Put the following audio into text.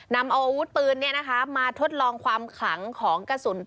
นำอาวุธปืนมาทดลองความขลังของกระสุน